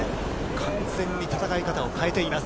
完全に戦い方を変えています。